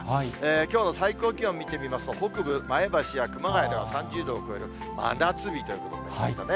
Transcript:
きょうの最高気温見てみますと、北部、前橋や熊谷では３０度を超える真夏日ということですかね。